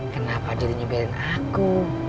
kenapa jadi nyembelin aku